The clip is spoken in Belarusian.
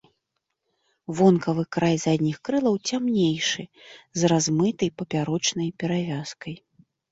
Вонкавы край задніх крылаў цямнейшы, з размытай папярочнай перавязкай.